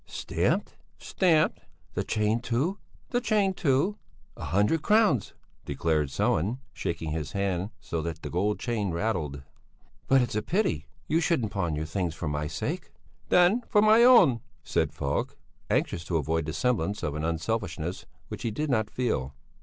"Stamped?" "Stamped." "The chain, too?" "The chain, too." "A hundred crowns," declared Sellén, shaking his hand so that the gold chain rattled. "But it's a pity! You shouldn't pawn your things for my sake." "Then for my own," said Falk, anxious to avoid the semblance of an unselfishness which he did not feel.